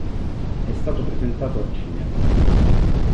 È stato presentato a Cinema.